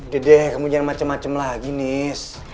gedeh kamu jangan macem macem lagi nis